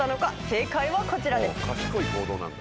正解はこちらです。